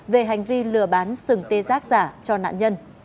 về hành vi lừa bán sừng tê giác giả cho nạn nhân